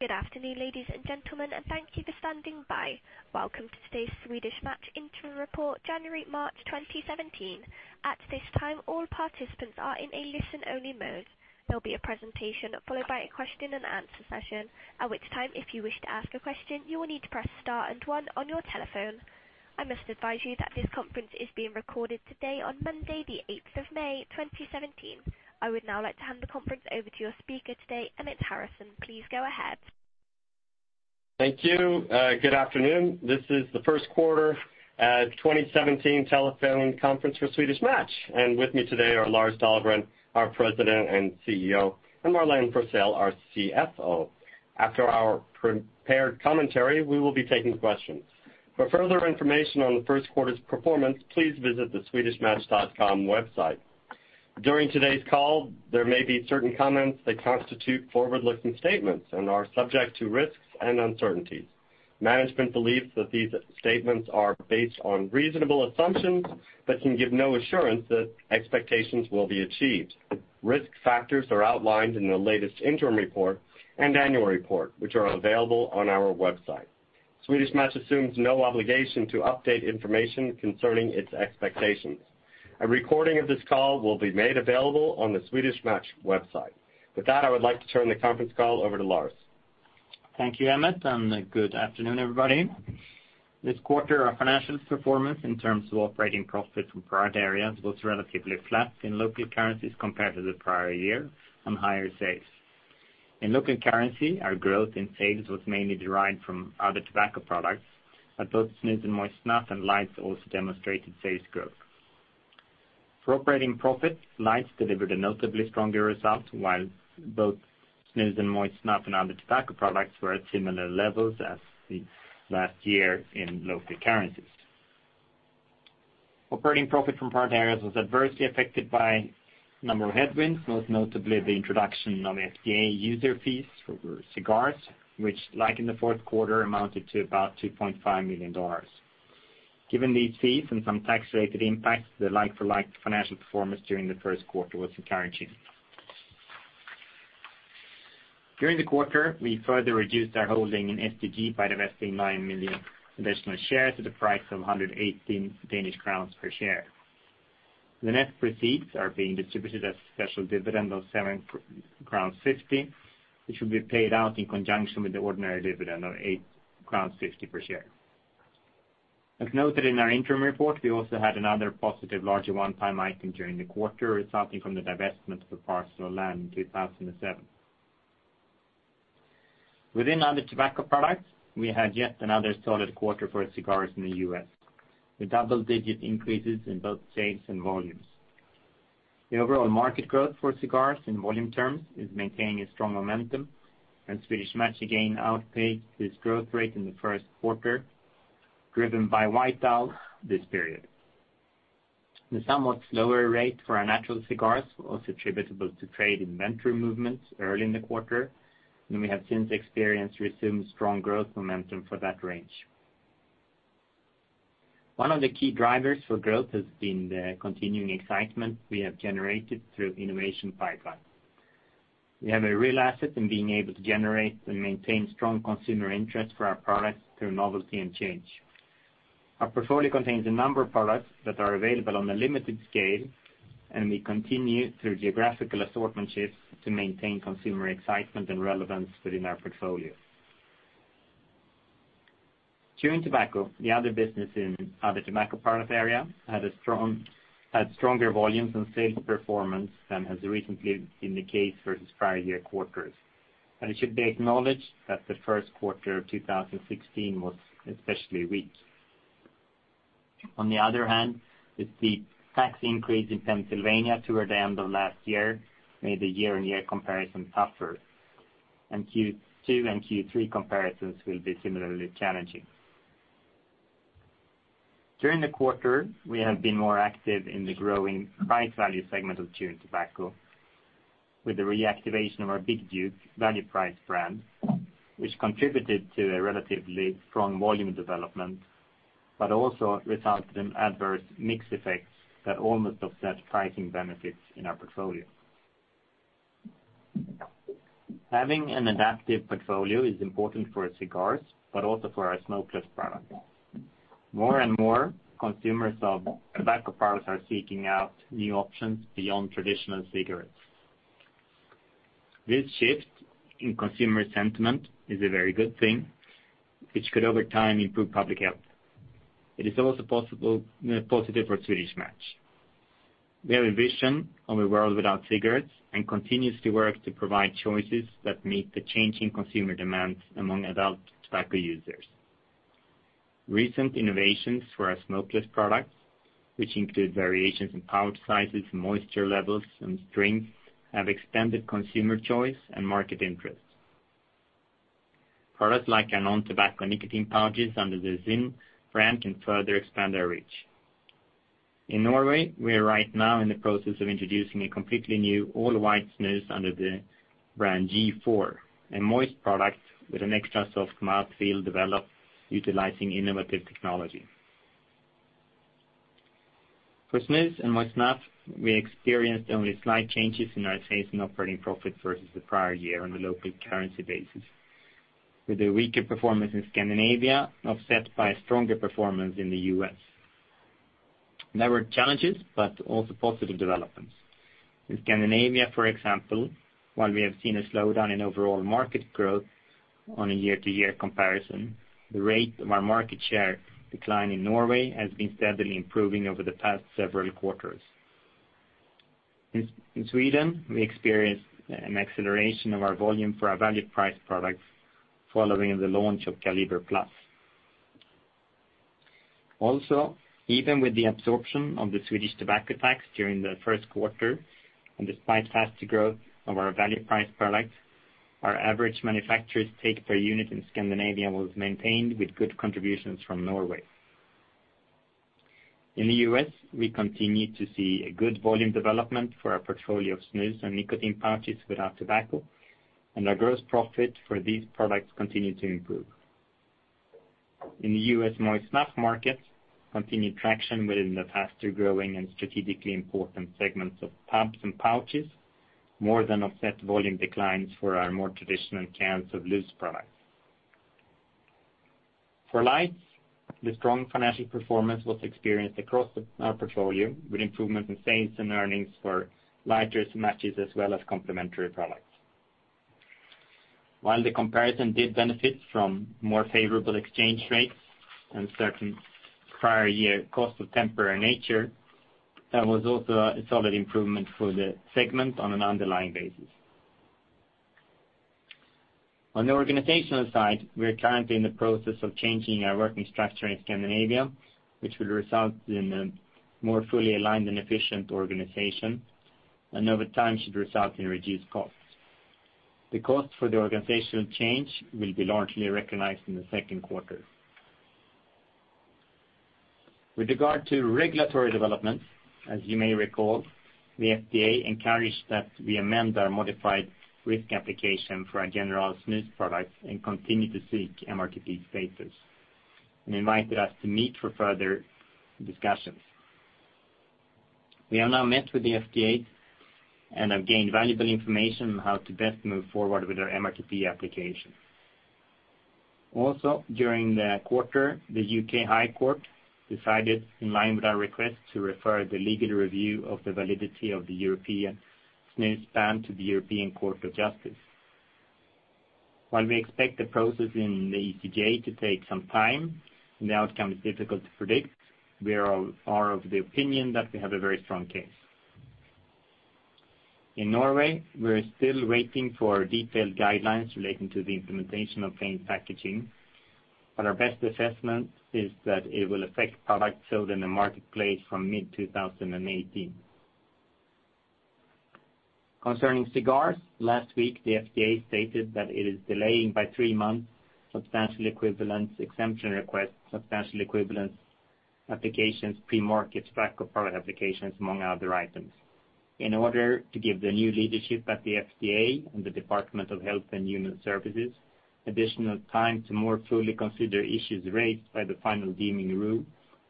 Good afternoon, ladies and gentlemen. Thank you for standing by. Welcome to today's Swedish Match Interim Report, January-March 2017. At this time, all participants are in a listen-only mode. There'll be a presentation followed by a question and answer session, at which time if you wish to ask a question, you will need to press star and one on your telephone. I must advise you that this conference is being recorded today on Monday, the 8th of May 2017. I would now like to hand the conference over to your speaker today, Emmett Harrison. Please go ahead. Thank you. Good afternoon. This is the first quarter 2017 telephone conference for Swedish Match. With me today are Lars Dahlgren, our President and CEO, and Marlene Forssell, our CFO. After our prepared commentary, we will be taking questions. For further information on the first quarter's performance, please visit the swedishmatch.com website. During today's call, there may be certain comments that constitute forward-looking statements and are subject to risks and uncertainties. Management believes that these statements are based on reasonable assumptions but can give no assurance that expectations will be achieved. Risk factors are outlined in the latest interim report and annual report, which are available on our website. Swedish Match assumes no obligation to update information concerning its expectations. A recording of this call will be made available on the Swedish Match website. With that, I would like to turn the conference call over to Lars. Thank you, Emmett. Good afternoon, everybody. This quarter, our financial performance in terms of operating profit from product areas was relatively flat in local currencies compared to the prior year on higher sales. In local currency, our growth in sales was mainly derived from other tobacco products, but both snus and moist snuff and lights also demonstrated sales growth. For operating profit, lights delivered a notably stronger result, while both snus and moist snuff and other tobacco products were at similar levels as the last year in local currencies. Operating profit from product areas was adversely affected by a number of headwinds, most notably the introduction of FDA user fees for cigars, which, like in the fourth quarter, amounted to about $2.5 million. Given these fees and some tax-related impacts, the like-for-like financial performance during the first quarter was encouraging. During the quarter, we further reduced our holding in STG by divesting 9 million additional shares at a price of 118 Danish crowns per share. The net proceeds are being distributed as a special dividend of 7.50 crowns, which will be paid out in conjunction with the ordinary dividend of 8.50 crowns per share. As noted in our interim report, we also had another positive larger one-time item during the quarter resulting from the divestment of a parcel of land in 2007. Within other tobacco products, we had yet another solid quarter for cigars in the U.S., with double-digit increases in both sales and volumes. The overall market growth for cigars in volume terms is maintaining a strong momentum, and Swedish Match again outpaced this growth rate in the first quarter, driven by White Owls this period. The somewhat slower rate for our natural cigars was attributable to trade inventory movements early in the quarter, and we have since experienced resumed strong growth momentum for that range. One of the key drivers for growth has been the continuing excitement we have generated through innovation pipeline. We have a real asset in being able to generate and maintain strong consumer interest for our products through novelty and change. Our portfolio contains a number of products that are available on a limited scale, and we continue through geographical assortment shifts to maintain consumer excitement and relevance within our portfolio. Chewing tobacco, the other business in other tobacco product area, had stronger volumes and sales performance than has recently been the case versus prior year quarters. It should be acknowledged that the first quarter of 2016 was especially weak. On the other hand, the tax increase in Pennsylvania toward the end of last year made the year-on-year comparison tougher. Q2 and Q3 comparisons will be similarly challenging. During the quarter, we have been more active in the growing price value segment of chewing tobacco with the reactivation of our Big Duke value price brand, which contributed to a relatively strong volume development, also resulted in adverse mix effects that almost offset pricing benefits in our portfolio. Having an adaptive portfolio is important for cigars, but also for our smokeless products. More and more consumers of tobacco products are seeking out new options beyond traditional cigarettes. This shift in consumer sentiment is a very good thing, which could over time improve public health. It is also positive for Swedish Match. We have a vision of a world without cigarettes and continuously work to provide choices that meet the changing consumer demands among adult tobacco users. Recent innovations for our smokeless products, which include variations in pouch sizes, moisture levels, and strength, have extended consumer choice and market interest. Products like our non-tobacco nicotine pouches under the ZYN brand can further expand our reach. In Norway, we are right now in the process of introducing a completely new all-white snus under the brand G.4, a moist product with an extra soft mouthfeel developed utilizing innovative technology. For snus and moist snuff, we experienced only slight changes in our sales and operating profit versus the prior year on a local currency basis, with a weaker performance in Scandinavia, offset by a stronger performance in the U.S. There were challenges, also positive developments. In Scandinavia, for example, while we have seen a slowdown in overall market growth on a year-to-year comparison, the rate of our market share decline in Norway has been steadily improving over the past several quarters. In Sweden, we experienced an acceleration of our volume for our value priced products following the launch of Kaliber+. Even with the absorption of the Swedish tobacco tax during the first quarter, despite faster growth of our value priced products, our average manufacturers take per unit in Scandinavia was maintained with good contributions from Norway. In the U.S., we continue to see a good volume development for our portfolio of snus and nicotine pouches without tobacco, our gross profit for these products continue to improve. In the U.S. moist snuff market, continued traction within the faster growing and strategically important segments of pumps and pouches, more than offset volume declines for our more traditional cans of loose products. For Lights, the strong financial performance was experienced across our portfolio, with improvements in sales and earnings for lighters, matches, as well as complementary products. While the comparison did benefit from more favorable exchange rates and certain prior year cost of temporary nature, that was also a solid improvement for the segment on an underlying basis. On the organizational side, we're currently in the process of changing our working structure in Scandinavia, which will result in a more fully aligned and efficient organization, and over time should result in reduced costs. The cost for the organizational change will be largely recognized in the second quarter. With regard to regulatory developments, as you may recall, the FDA encouraged that we amend our Modified Risk application for our General snus products and continue to seek MRTP status, and invited us to meet for further discussions. We have now met with the FDA and have gained valuable information on how to best move forward with our MRTP application. During the quarter, the U.K. High Court decided in line with our request to refer the legal review of the validity of the European Snus ban to the European Court of Justice. While we expect the process in the ECJ to take some time, and the outcome is difficult to predict, we are of the opinion that we have a very strong case. In Norway, we're still waiting for detailed guidelines relating to the implementation of plain packaging, but our best assessment is that it will affect products sold in the marketplace from mid 2018. Concerning cigars, last week the FDA stated that it is delaying by 3 months substantial equivalence exemption requests, substantial equivalence applications, Premarket Tobacco Product Applications, among other items. In order to give the new leadership at the FDA and the Department of Health and Human Services additional time to more fully consider issues raised by the final deeming rule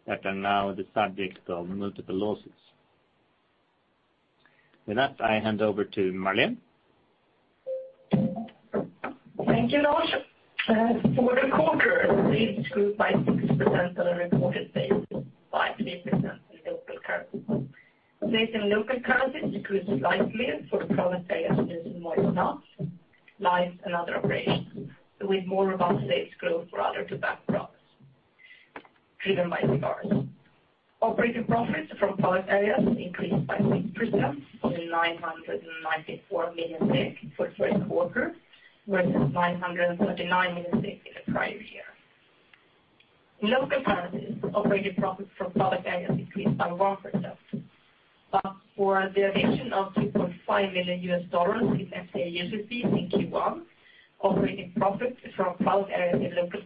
that are now the subject of multiple lawsuits. With that, I hand over to Marlene. Thank you, Lars. For the quarter, sales grew by 6% on a reported basis, 5% in local currency. Sales in local currencies decreased slightly for the product areas Snus and moist snuff, Lights and other operations, with more robust sales growth for other tobacco products, driven by cigars. Operating profits from product areas increased by 6% to 994 million for the first quarter, versus 939 million in the prior year. In local currencies, operating profit from product areas increased by 1%. For the addition of $2.5 million in FDA user fees in Q1, operating profit from product areas in local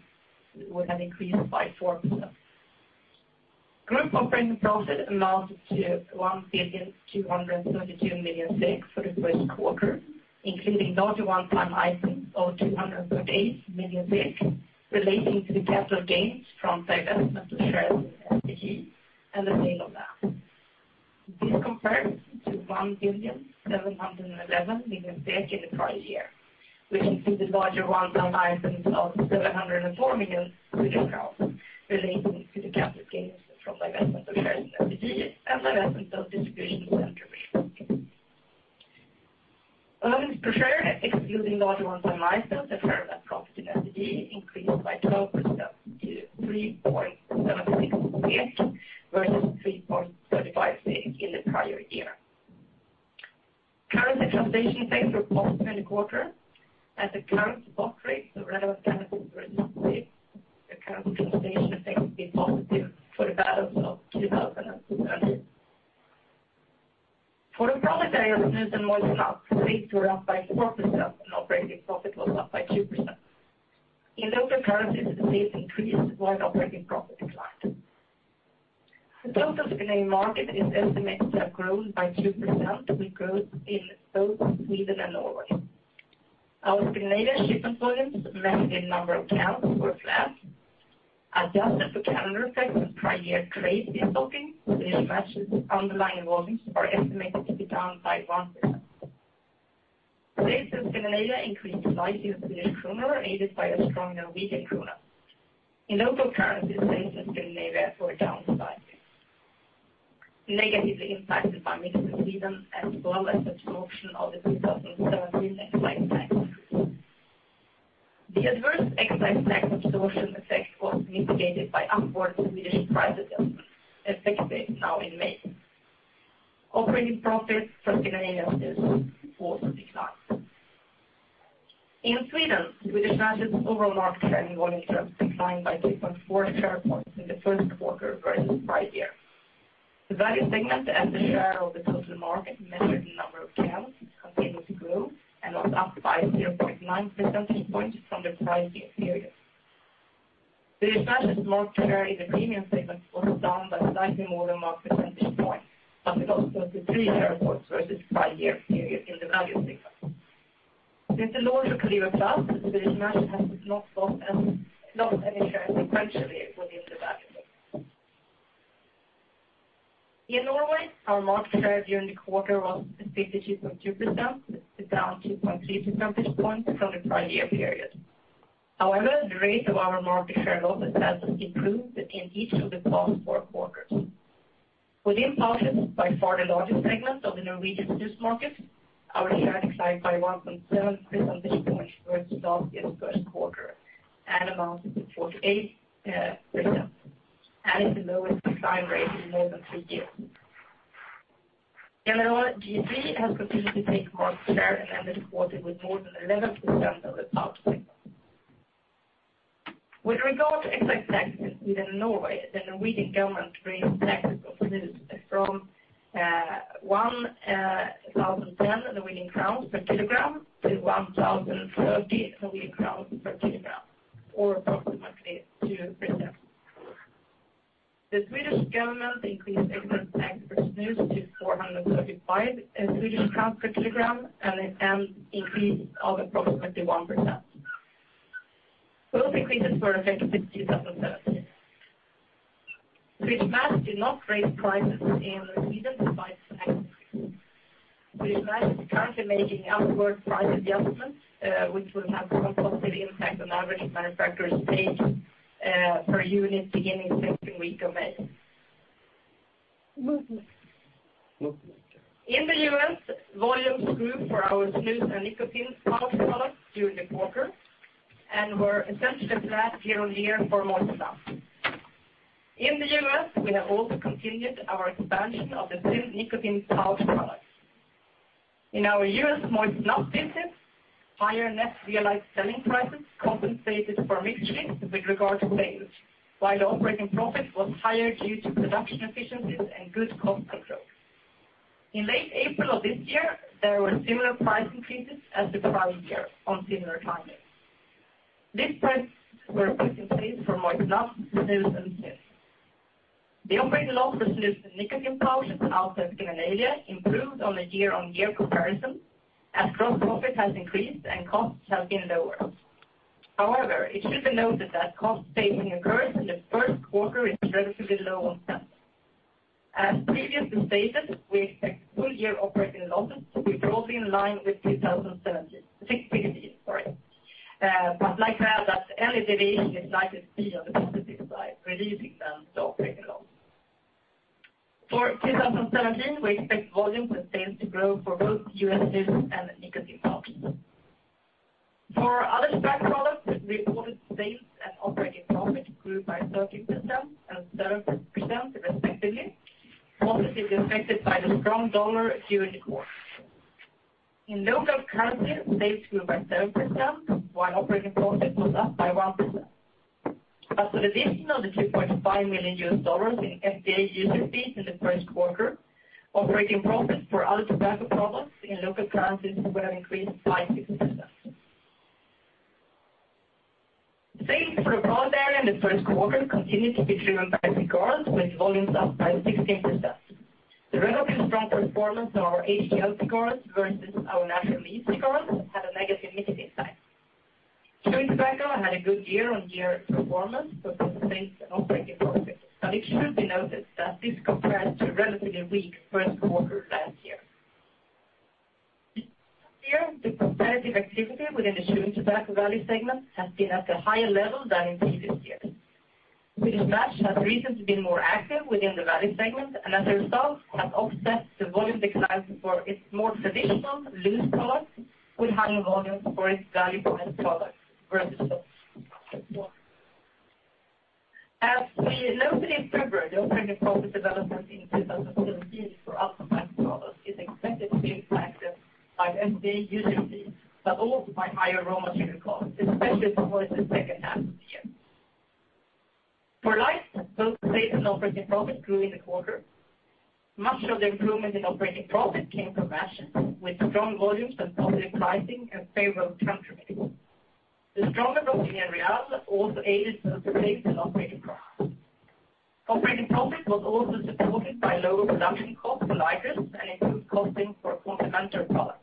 would have increased by 4%. Group operating profit amounted to 1,232 million for the first quarter, including larger one-time items of 238 million relating to the capital gains from divestment of shares in STG and the sale of land. This compares to 1,711 million in the prior year, which included larger one-time items of SEK 704 million relating to the capital gains from divestment of shares in STG and divestment of distribution center in Sweden. Earnings per share, excluding larger one-time items and fair value profits in STG, increased by 12% to 3.76 SEK, versus 3.35 SEK in the prior year. Currency translation effects were positive in the quarter. At the current spot rate, the relevant benefit for the full year, the currency translation effect will be positive for the balance of 2017. For the product areas snus and moist snuff, sales were up by 4% and operating profit was up by 2%. In local currencies, sales increased while operating profit declined. The total Swedish market is estimated to have grown by 2% with growth in both Sweden and Norway. Our Scandinavia shipping volumes measured in number of cans were flat. Adjusted for calendar effects and prior year trade restocking, Swedish Match's underlying volumes are estimated to be down by 1%. Sales in Scandinavia increased slightly in SEK, aided by a stronger NOK. In local currency, sales in Scandinavia were down by 6%, negatively impacted by the price/mix in Sweden. as well as absorption of the 2017 excise tax increase. The adverse excise tax absorption effect was mitigated by upward Swedish price adjustments, effective now in May. Operating profit from Scandinavia also declined. In Sweden, Swedish Match's overall market share in volume terms declined by 3.4 share points in the first quarter versus prior year. The value segment as a share of the total market measured in number of cans continued to grow and was up by 0.9 percentage points from the prior year period. Swedish Match's market share in the premium segment was down by slightly more than one percentage point, up it got to three share points versus prior year period in the value segment. Since the launch of Kaliber+, Swedish Match has not lost any share sequentially within the value segment. In Norway, our market share during the quarter was 52.2%, down 2.3 percentage points from the prior year period. However, the rate of our market share losses has improved in each of the past four quarters. Within Pouches, by far the largest segment of the Norwegian snus market, our share declined by 1.7 percentage points versus last year's first quarter and amounted to 48%, and it's the lowest decline rate in more than three years. ZYN has continued to take market share and ended the quarter with more than 11% of the pouch segment. With regard to excise tax in Sweden and Norway, the Norwegian government raised taxes of snus from 1,010 Norwegian crowns per kilogram to 1,030 Norwegian crowns per kilogram, or approximately 2%. The Swedish government increased excise tax for snus to 435 per kilogram, an increase of approximately 1%. Both increases were effective 2017. Swedish Match did not raise prices in Sweden despite the tax increase. Swedish Match is currently making upward price adjustments, which will have some positive impact on average manufacturer's sales per unit beginning second week of May. Movement. In the U.S., volumes grew for our snus and nicotine pouch products during the quarter and were essentially flat year-on-year for moist snuff. In the U.S., we have also continued our expansion of the snus nicotine pouch products. In our U.S. moist snuff business, higher net realized selling prices compensated for mix shifts with regard to sales, while operating profit was higher due to production efficiencies and good cost control. In late April of this year, there were similar price increases as the prior year on similar timings. These prices were put in place for moist snuff, snus, and ZYN. The operating loss for snus and nicotine pouches outside Scandinavia improved on a year-over-year comparison as gross profit has increased and costs have been lower. However, it should be noted that cost saving occurs in the first quarter is relatively low on spend. As previously stated, we expect full year operating losses to be broadly in line with 2016, sorry. LDD is likely to be on the positive side, releasing some of the operating loss. For 2017, we expect volumes and sales to grow for both U.S. snus and nicotine pouches. For other tobacco products, reported sales and operating profit grew by 13% and 7% respectively, positively affected by the strong dollar during the quarter. In local currency, sales grew by 7%, while operating profit was up by 1%. After the addition of the $2.5 million in FDA user fees in the first quarter, operating profit for other tobacco products in local currencies would have increased by 6%. Sales for the product area in the first quarter continued to be driven by cigars with volumes up by 16%. The relatively strong performance of our HTL cigars versus our naturally aged cigars had a negative mix impact. Chewing tobacco had a good year-over-year performance, both in sales and operating profit. It should be noted that this compares to a relatively weak first quarter last year. This year, the competitive activity within the chewing tobacco value segment has been at a higher level than in previous years. Swedish Match has recently been more active within the value segment and as a result, have offset the volume declines for its more traditional loose products with higher volumes for its value-priced products versus last year. As we noted in February, the operating profit development in 2017 for other tobacco products is expected to be impacted by FDA user fees, also by higher raw material costs, especially towards the second half of the year. For lights, both sales and operating profit grew in the quarter. Much of the improvement in operating profit came from matches, with strong volumes and positive pricing and favorable trend mix. The stronger Brazilian real also aided both the sales and operating profit. Operating profit was also supported by lower production costs for lighters and improved costing for fundamental products.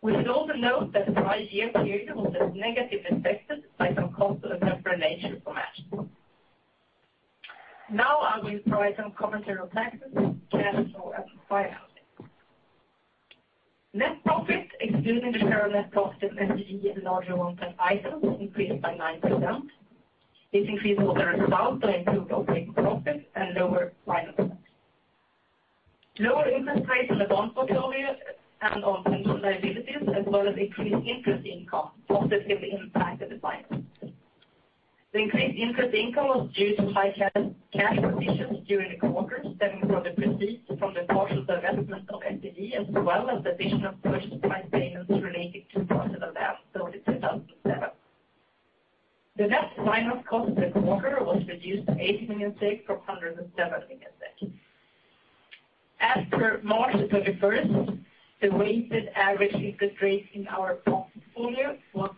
We should also note that the prior year period was negatively affected by some cost of a temporary nature from SMD . I will provide some commentary on taxes, cash flow and finance. Net profit, excluding the share of net profit of STG and non-recurring items increased by 9%. This increase was a result of improved operating profit and lower finance costs. Lower interest rates on the bond portfolio and on pension liabilities, as well as increased interest income positively impacted the finance cost. The increased interest income was due to high cash positions during the quarter stemming from the proceeds from the partial divestment of STG, as well as the addition of purchase price payments relating to partial divestment during 2017. The net finance cost per quarter was reduced to 8 million from 107 million. As per March 31st, the weighted average interest rate in our bond portfolio was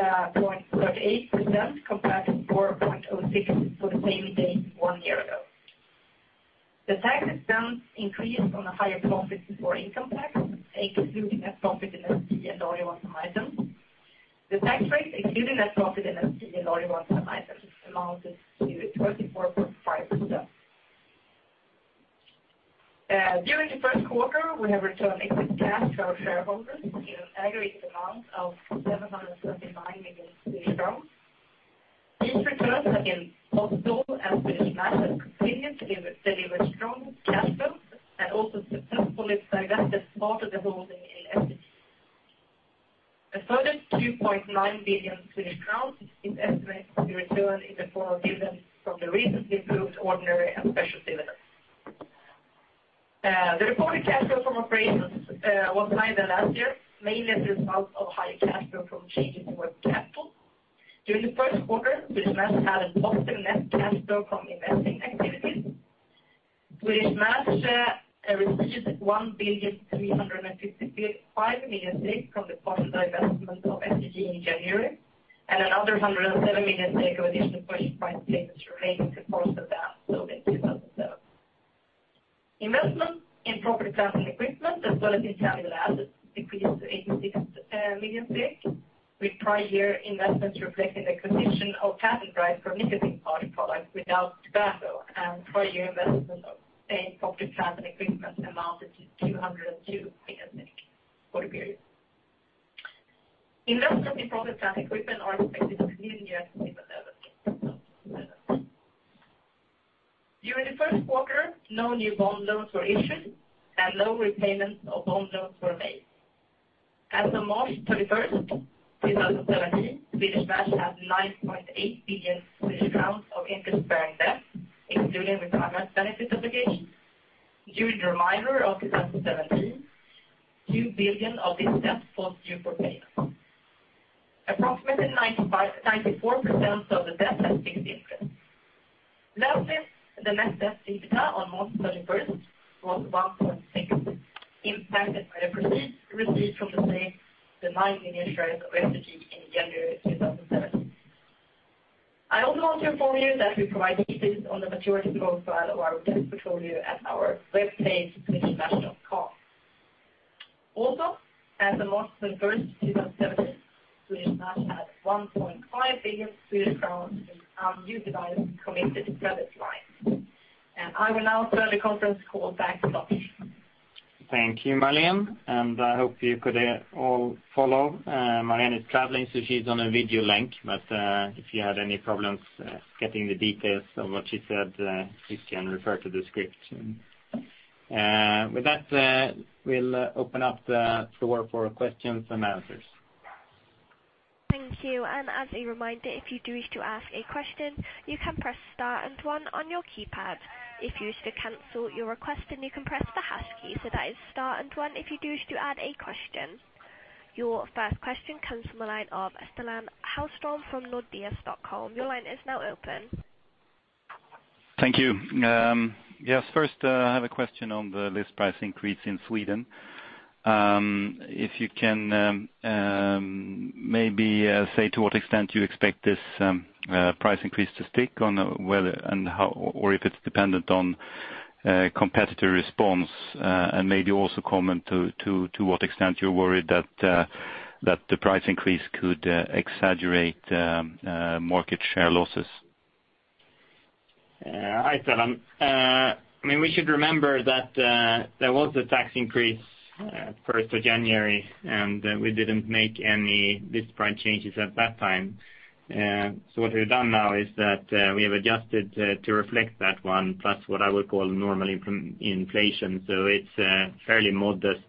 3.38%, compared to 4.06% for the same day one year ago. The tax expense increased on a higher profit before income tax, excluding net profit in SE and non-recurring items. The tax rate, including net profit in STG and non-recurring items, amounted to 24.5%. During the first quarter, we have returned excess cash to our shareholders in an aggregate amount of SEK 779 million. These returns against both Store and Swedish Match have continued to deliver strong cash flows and also successfully divested part of the holding in SE. A further 2.9 billion Swedish crowns is estimated to be returned in the form of dividends from the recently approved ordinary and special dividend. The reported cash flow from operations was higher than last year, mainly as a result of higher cash flow from changes in working capital. During the first quarter, Swedish Match had a positive net cash flow from investing activities. Swedish Match received 1,355,000,000 from the partial divestment of SE in January and another 107 million of additional purchase price payments relating to partial advance during 2017. Investment in property, plant, and equipment as well as in capital assets decreased to 86 million, with prior year investments reflecting the acquisition of patent rights for nicotine heating products without tobacco and prior year investment in property, plant, and equipment amounted to 202 million for the period. Investments in property, plant, and equipment are expected to continue at a similar level. During the first quarter, no new bond loans were issued, and no repayments of bond loans were made. As of March 31st, 2017, Swedish Match had 9.8 billion Swedish crowns of interest-bearing debt, excluding retirement benefit obligations. During the remainder of 2017, 2 billion of this debt falls due for payment. Approximately 94% of the debt has fixed interest. Lastly, the net debt EBITDA on March 31st was 1.6, impacted by the proceeds received from the sale of the 9 million shares of SE in January 2017. I also want to inform you that we provide details on the maturity profile of our debt portfolio at our website, swedishmatch.com. Also, as of March 31st, 2017, Swedish Match had SEK 1.5 billion in unused committed credit lines. I will now turn the conference call back to Lars. Thank you, Marlene, and I hope you could all follow. Marlene is traveling, so she's on a video link, but if you had any problems getting the details of what she said, please can refer to the script. With that, we'll open up the floor for questions and answers. Thank you. As a reminder, if you do wish to ask a question, you can press star and 1 on your keypad. If you wish to cancel your request, you can press the hash key. That is star and 1 if you do wish to add a question. Your first question comes from the line of Stellan Holmstöm from Nordea Stockholm. Your line is now open. Thank you. Yes. First, I have a question on the list price increase in Sweden. If you can maybe say to what extent you expect this price increase to stick on whether and how, or if it's dependent on competitor response, maybe also comment to what extent you're worried that the price increase could exaggerate market share losses. Hi, Stellan. We should remember that there was a tax increase 1st of January, we didn't make any list price changes at that time. What we've done now is that we have adjusted to reflect that one, plus what I would call normal inflation. It's a fairly modest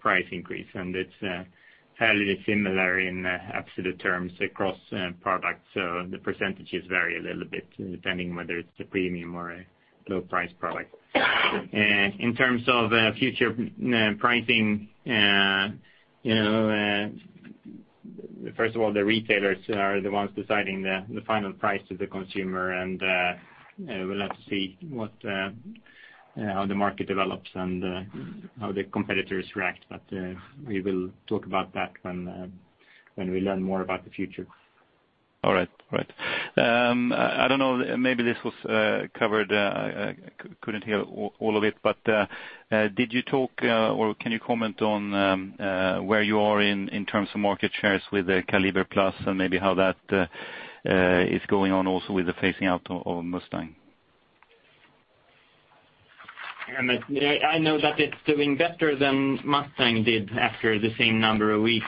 price increase, it's fairly similar in absolute terms across products. The percentages vary a little bit depending on whether it's the premium or a low price product. In terms of future pricing, first of all, the retailers are the ones deciding the final price to the consumer. We'll have to see how the market develops and how the competitors react. We will talk about that when we learn more about the future. All right. I don't know, maybe this was covered, I couldn't hear all of it, did you talk or can you comment on where you are in terms of market shares with the Kaliber+ and maybe how that is going on also with the phasing out of Mustang? I know that it's doing better than Mustang did after the same number of weeks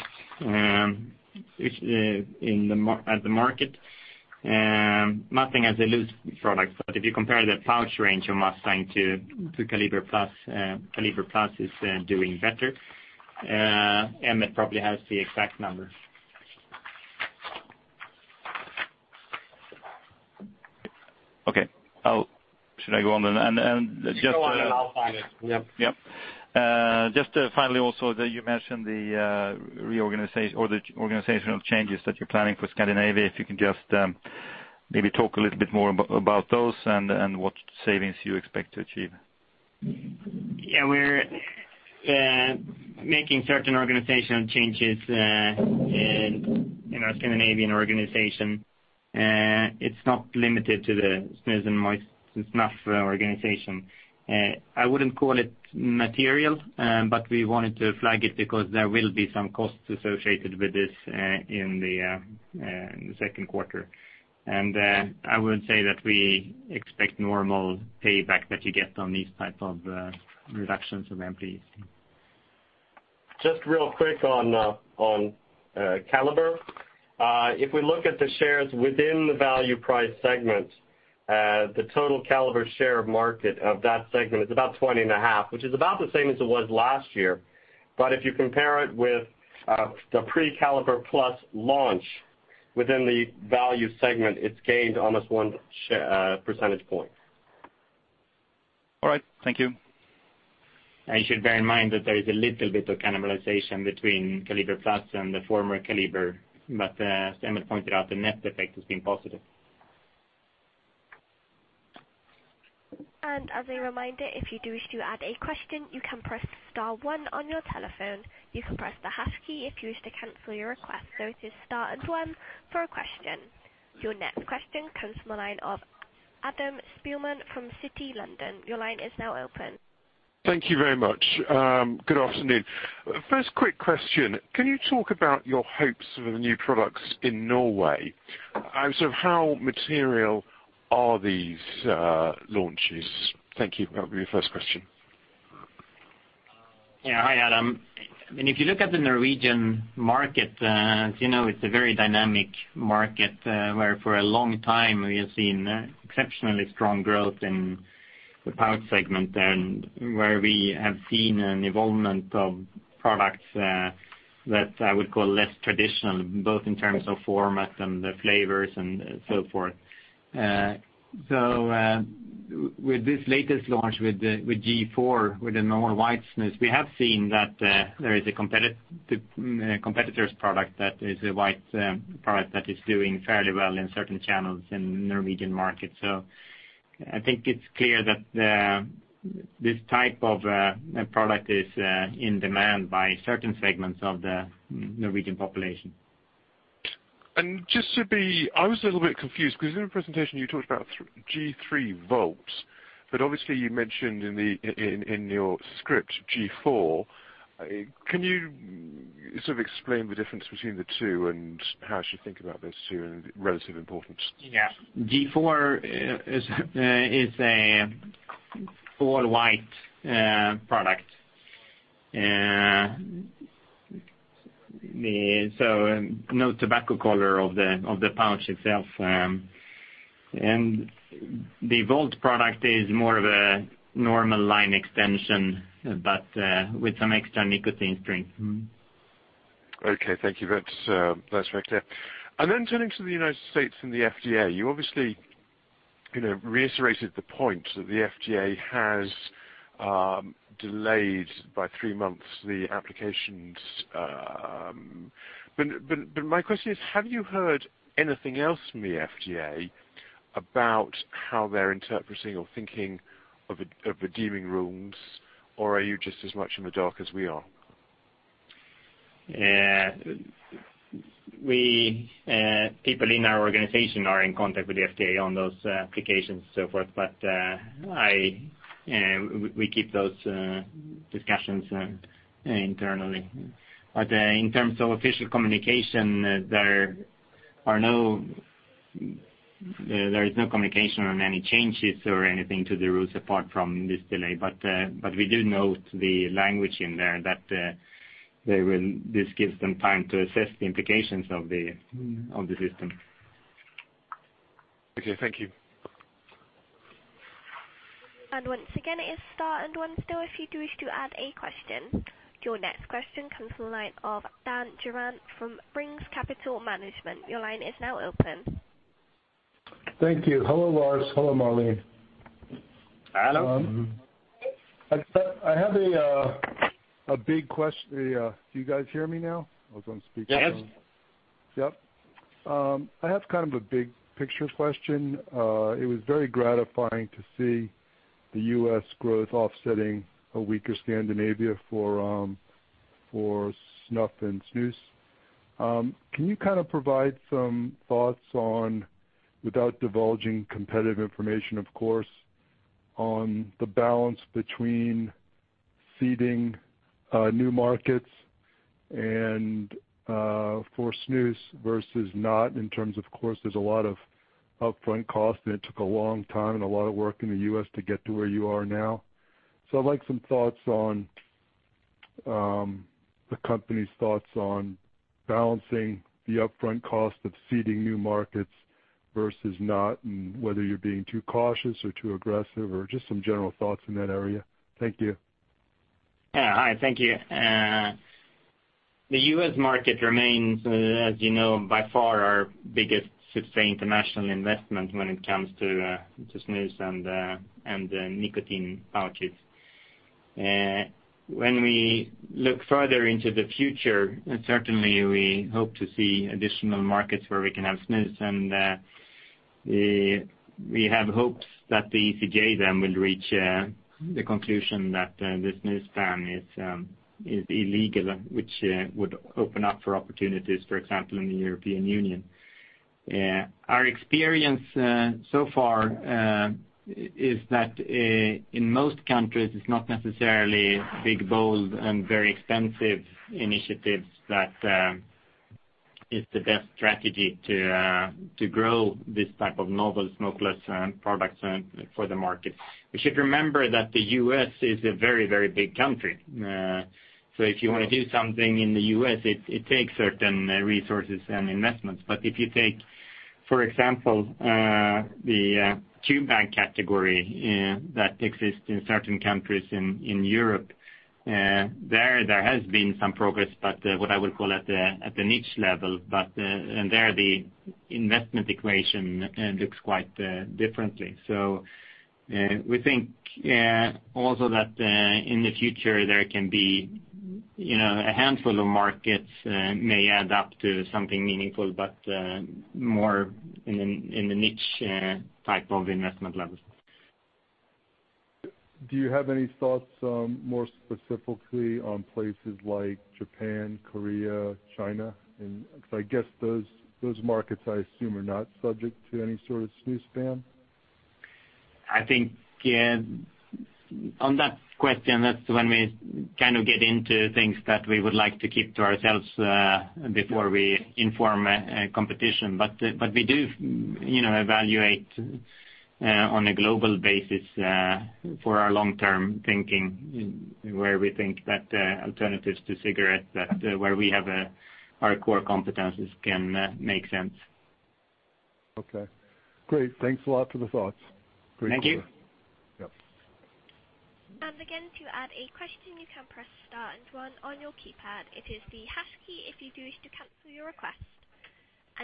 at the market. Mustang has a loose product, but if you compare the pouch range of Mustang to Kaliber+, Kaliber+ is doing better. Emmett probably has the exact numbers. Okay. Should I go on then? Go on and I'll find it. Yep. Yep. Just finally, also, you mentioned the organizational changes that you're planning for Scandinavia. If you can just maybe talk a little bit more about those and what savings you expect to achieve. Yeah, we're making certain organizational changes in our Scandinavian organization. It's not limited to the snus and moist snuff organization. I wouldn't call it material, but we wanted to flag it because there will be some costs associated with this in the second quarter. I would say that we expect normal payback that you get on these types of reductions of employees. Just real quick on Kaliber. If we look at the shares within the value price segment, the total Kaliber share of market of that segment is about 20.5, which is about the same as it was last year. If you compare it with the pre-Kaliber+ launch within the value segment, it's gained almost one percentage point. All right, thank you. You should bear in mind that there is a little bit of cannibalization between Kaliber+ and the former Kaliber, as Emmett pointed out, the net effect has been positive. As a reminder, if you do wish to add a question, you can press star one on your telephone. You can press the hash key if you wish to cancel your request. It is star and one for a question. Your next question comes from the line of Adam Spielman from Citi, London. Your line is now open. Thank you very much. Good afternoon. First quick question, can you talk about your hopes for the new products in Norway? How material are these launches? Thank you. That'll be the first question. Hi, Adam. If you look at the Norwegian market, as you know, it's a very dynamic market where for a long time we have seen exceptionally strong growth in the pouch segment and where we have seen an involvement of products that I would call less traditional, both in terms of format and the flavors and so forth. With this latest launch with G.4, with the normal white snus, we have seen that there is a competitor's product that is a white product that is doing fairly well in certain channels in Norwegian markets. I think it's clear that this type of product is in demand by certain segments of the Norwegian population. Just to be I was a little bit confused because in your presentation you talked about G.3 Volt, but obviously you mentioned in your script G.4. Can you sort of explain the difference between the two and how I should think about those two in relative importance? Yeah. G.4 is a full white product. No tobacco color of the pouch itself. The Volt product is more of a normal line extension, but with some extra nicotine strength. Okay, thank you. That's very clear. Turning to the U.S. and the FDA, you obviously reiterated the point that the FDA has delayed by three months the applications. My question is, have you heard anything else from the FDA about how they're interpreting or thinking of the deeming rule, or are you just as much in the dark as we are? People in our organization are in contact with the FDA on those applications so forth, but we keep those discussions internally. In terms of official communication, there is no communication on any changes or anything to the rules apart from this delay. We do note the language in there that this gives them time to assess the implications of the system. Okay, thank you. Once again, it is star and one still if you do wish to add a question. Your next question comes from the line of Dan Durant from Rings Capital Management. Your line is now open. Thank you. Hello, Lars. Hello, Marlene. Adam. I have a big question. Do you guys hear me now? I was on speakerphone. Yes. Yep. I have kind of a big picture question. It was very gratifying to see the U.S. growth offsetting a weaker Scandinavia for snuff and snus. Can you provide some thoughts on, without divulging competitive information, of course, on the balance between seeding new markets for snus versus not in terms of course, there's a lot of upfront cost, and it took a long time and a lot of work in the U.S. to get to where you are now. I'd like some thoughts on the company's thoughts on balancing the upfront cost of seeding new markets versus not, and whether you're being too cautious or too aggressive or just some general thoughts in that area. Thank you. Yeah. Hi, thank you. The U.S. market remains, as you know, by far our biggest sustained international investment when it comes to snus and nicotine pouches. When we look further into the future, certainly we hope to see additional markets where we can have snus, and we have hopes that the ECJ will reach the conclusion that the snus ban is illegal, which would open up for opportunities, for example, in the European Union. Our experience so far is that in most countries, it's not necessarily big, bold, and very expensive initiatives that is the best strategy to grow this type of novel smokeless products for the market. We should remember that the U.S. is a very big country. If you want to do something in the U.S., it takes certain resources and investments. If you take, for example, the chew bag category that exists in certain countries in Europe, there has been some progress, but what I would call at the niche level. There, the investment equation looks quite differently. We think also that in the future, there can be a handful of markets may add up to something meaningful, but more in the niche type of investment levels. Do you have any thoughts more specifically on places like Japan, Korea, China? Because I guess those markets, I assume, are not subject to any sort of snus ban. I think on that question, that's when we kind of get into things that we would like to keep to ourselves before we inform competition. We do evaluate on a global basis for our long-term thinking where we think that alternatives to cigarettes, that where we have our core competencies can make sense. Okay, great. Thanks a lot for the thoughts. Great. Thank you. Yep. Again, to add a question, you can press star and one on your keypad. It is the hash key if you do wish to cancel your request.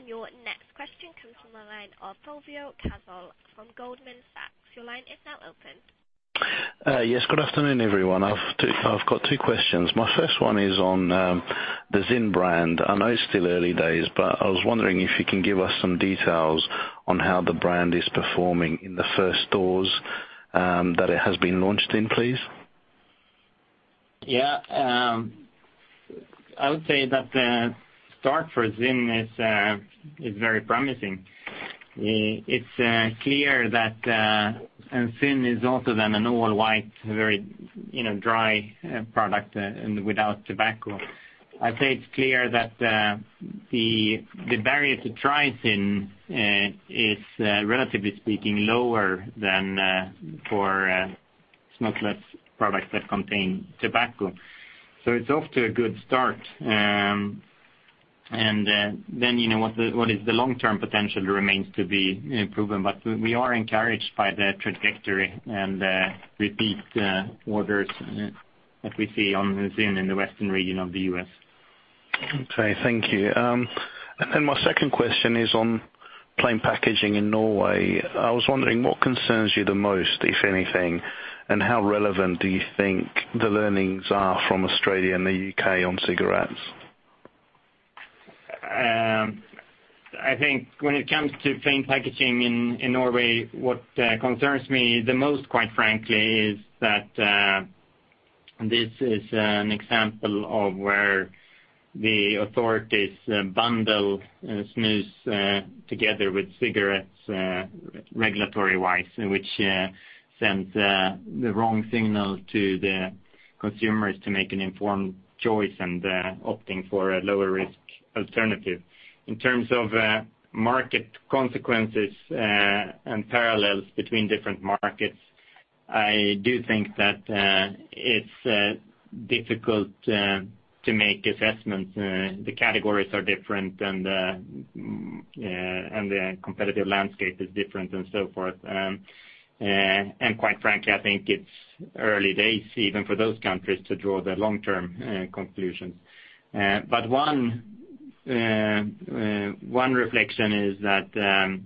Your next question comes from the line of Faham Baig from Goldman Sachs. Your line is now open. Yes, good afternoon, everyone. I've got two questions. My first one is on the ZYN brand. I know it's still early days, but I was wondering if you can give us some details on how the brand is performing in the first stores that it has been launched in, please. Yeah. I would say that the start for ZYN is very promising. It is clear that ZYN is also then an all-white, very dry product and without tobacco. I would say it is clear that the barrier to try ZYN is, relatively speaking, lower than for smokeless products that contain tobacco. It is off to a good start. What is the long-term potential remains to be proven. We are encouraged by the trajectory and the repeat orders that we see on ZYN in the Western region of the U.S. Okay, thank you. My second question is on plain packaging in Norway. I was wondering what concerns you the most, if anything, and how relevant do you think the learnings are from Australia and the U.K. on cigarettes? I think when it comes to plain packaging in Norway, what concerns me the most, quite frankly, is that this is an example of where the authorities bundle snus together with cigarettes regulatory-wise, which sends the wrong signal to the consumers to make an informed choice and opting for a lower risk alternative. In terms of market consequences and parallels between different markets, I do think that it is difficult to make assessments. The categories are different, the competitive landscape is different and so forth. Quite frankly, I think it is early days even for those countries to draw the long-term conclusions. One reflection is that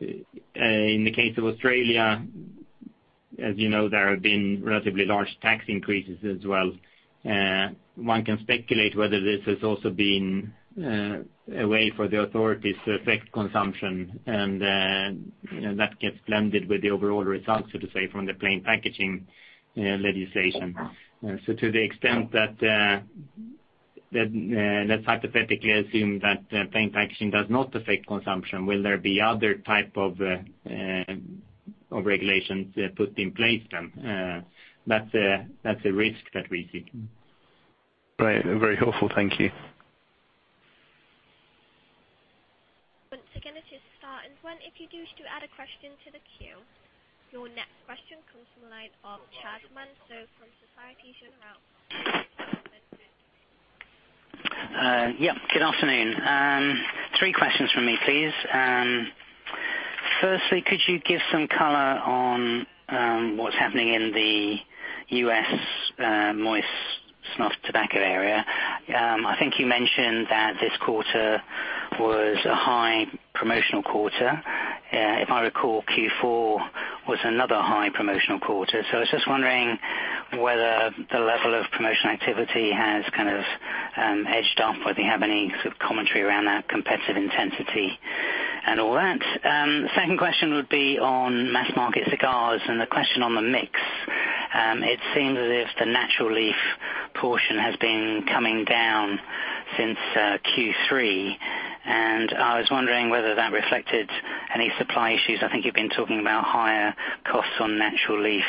in the case of Australia, as you know, there have been relatively large tax increases as well. One can speculate whether this has also been a way for the authorities to affect consumption, and that gets blended with the overall results, so to say, from the plain packaging legislation. To the extent that let us hypothetically assume that plain packaging does not affect consumption. Will there be other type of regulations put in place then? That is a risk that we see. Right. Very helpful. Thank you. Once again, it is star one. If you do wish to add a question to the queue. Your next question comes from the line of Chas D. Minter from Société Générale. Yeah. Good afternoon. Three questions from me, please. Firstly, could you give some color on what's happening in the U.S. moist snuff tobacco area? I think you mentioned that this quarter was a high promotional quarter. If I recall, Q4 was another high promotional quarter. I was just wondering whether the level of promotional activity has kind of edged up, whether you have any sort of commentary around that competitive intensity and all that. Second question would be on mass-market cigars and the question on the mix. It seems as if the natural leaf portion has been coming down since Q3. I was wondering whether that reflected any supply issues. I think you've been talking about higher costs on natural leaf,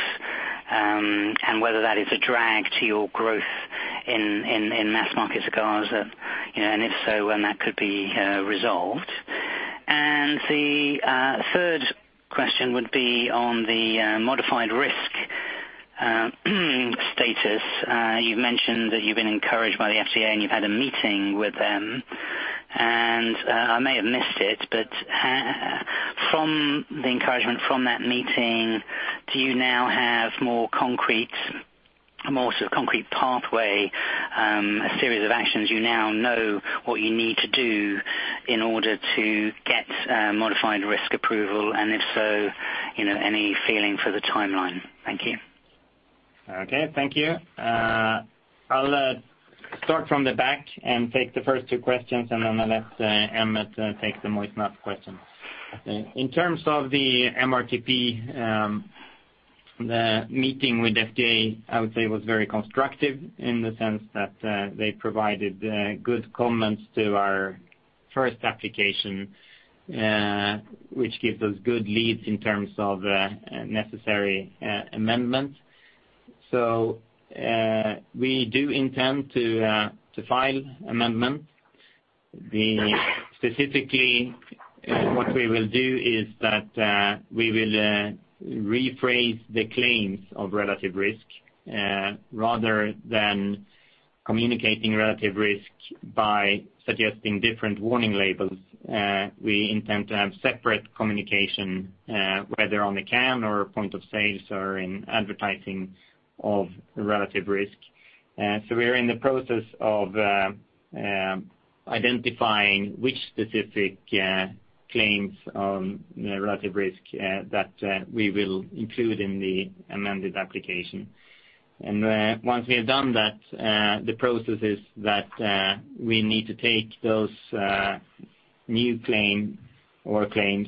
whether that is a drag to your growth in mass-market cigars, if so, when that could be resolved. The third question would be on the Modified Risk status. You've mentioned that you've been encouraged by the FDA. You've had a meeting with them. I may have missed it, but from the encouragement from that meeting, do you now have a more sort of concrete pathway, a series of actions you now know what you need to do in order to get Modified Risk approval, if so, any feeling for the timeline? Thank you. Okay. Thank you. I will start from the back and take the first two questions, then I will let Emmett Harrison take the moist snuff question. In terms of the MRTP, the meeting with FDA, I would say was very constructive in the sense that they provided good comments to our first application, which gives us good leads in terms of necessary amendments. We do intend to file amendments. Specifically, what we will do is that, we will rephrase the claims of relative risk. Rather than communicating relative risk by suggesting different warning labels, we intend to have separate communication, whether on the can or point of sales or in advertising of relative risk. We are in the process of identifying which specific claims on relative risk that we will include in the amended application. Once we have done that, the process is that we need to take those new claim or claims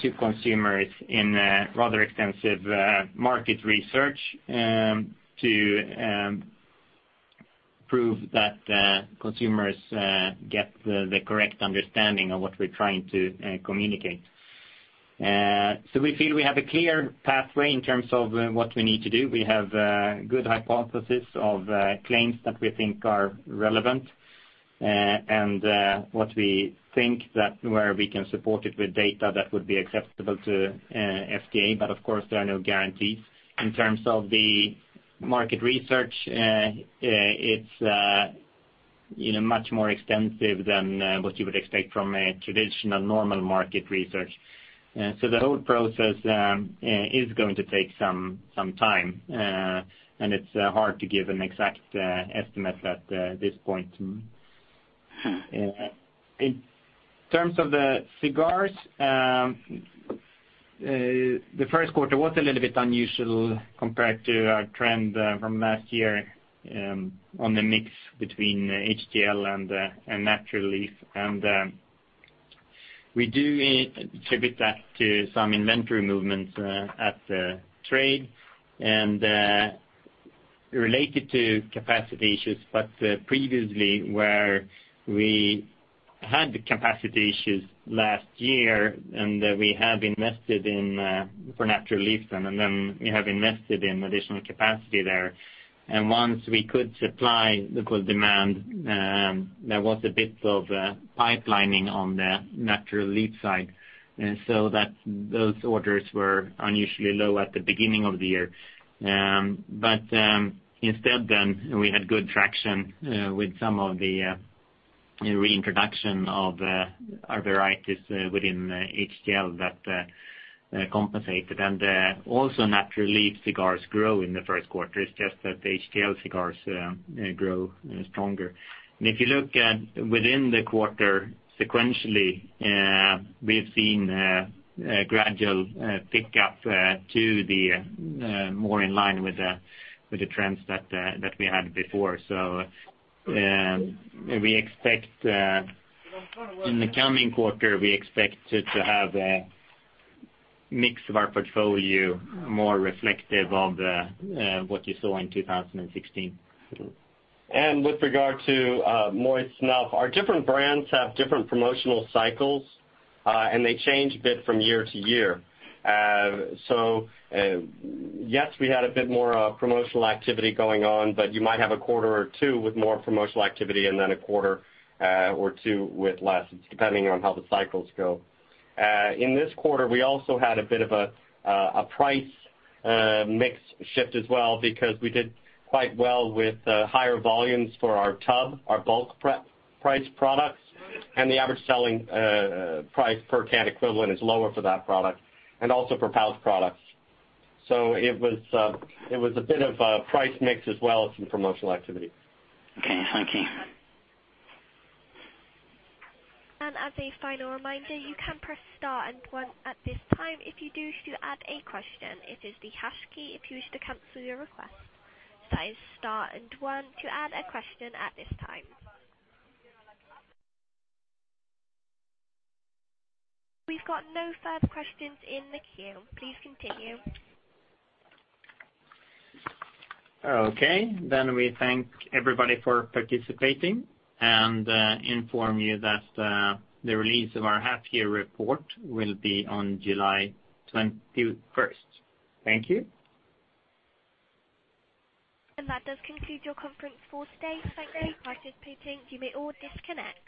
to consumers in a rather extensive market research to prove that consumers get the correct understanding of what we are trying to communicate. We feel we have a clear pathway in terms of what we need to do. We have a good hypothesis of claims that we think are relevant, and what we think that where we can support it with data that would be acceptable to FDA. Of course, there are no guarantees. In terms of the market research, it is much more extensive than what you would expect from a traditional normal market research. The whole process is going to take some time, and it is hard to give an exact estimate at this point. In terms of the cigars, the first quarter was a little bit unusual compared to our trend from last year on the mix between HTL and natural leaf. We do attribute that to some inventory movements at the trade and related to capacity issues, previously where we had the capacity issues last year and we have invested in for natural leaf and then we have invested in additional capacity there. Once we could supply the core demand, there was a bit of pipelining on the natural leaf side. Those orders were unusually low at the beginning of the year. Instead then we had good traction with some of the reintroduction of our varieties within HTL that compensated. Also natural leaf cigars grow in the first quarter. It is just that the HTL cigars grow stronger. If you look at within the quarter sequentially, we have seen a gradual pickup to the more in line with the trends that we had before. In the coming quarter, we expect to have a mix of our portfolio more reflective of what you saw in 2016. With regard to moist snuff, our different brands have different promotional cycles, and they change a bit from year to year. Yes, we had a bit more promotional activity going on, but you might have a quarter or two with more promotional activity and then a quarter or two with less, depending on how the cycles go. In this quarter, we also had a bit of a price mix shift as well because we did quite well with higher volumes for our tub, our bulk price products, and the average selling price per can equivalent is lower for that product and also for pouch products. It was a bit of a price mix as well as some promotional activity. Okay, thank you. As a final reminder, you can press star and one at this time if you do wish to add a question. It is the hash key if you wish to cancel your request. That is star and one to add a question at this time. We've got no further questions in the queue. Please continue. Okay. We thank everybody for participating and inform you that the release of our half year report will be on July 21st. Thank you. That does conclude your conference for today. Thank you for participating. You may all disconnect.